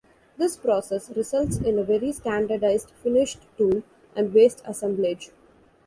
This process results in a very standardized finished tool and waste assemblage.